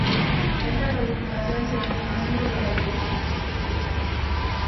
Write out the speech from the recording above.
A esta codificación se le dio el nombre de avesta.